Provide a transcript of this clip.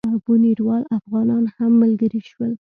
بُنیروال افغانان هم ملګري شول.